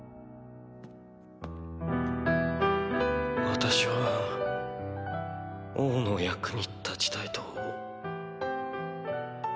私は王の役に立ちたいと。